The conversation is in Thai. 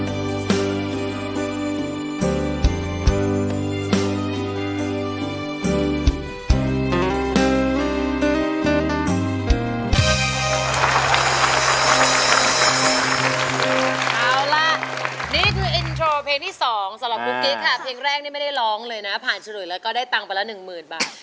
นี่คืออินโทรเพลงที่สองสำหรับกุ๊กกิ๊กค่ะเพลงแรกนี่ไม่ได้ร้องเลยนะผ่านชะหรือแล้วก็ได้ตังไปละหนึ่งหมื่นบาท